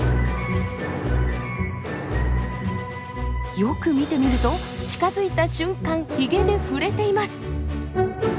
よく見てみると近づいた瞬間ヒゲで触れています。